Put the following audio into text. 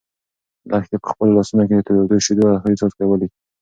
لښتې په خپلو لاسو کې د تودو شيدو اخري څاڅکی ولید.